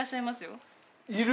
いる？